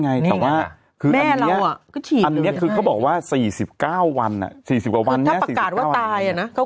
ไงอันนี้คือเขาบอกว่า๔๙วัน๔๐สิบเก้าวันนี้ว่าตายเนาะเขา